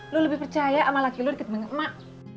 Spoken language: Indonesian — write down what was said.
lo lebih percaya sama laki lo diketemu sama emak